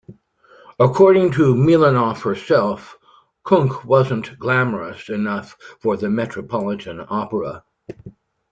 According to Milanov herself, "Kunc" wasn't "glamorous" enough for the Metropolitan Opera.